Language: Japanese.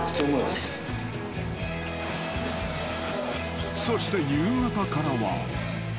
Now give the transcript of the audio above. ［そして夕方からは］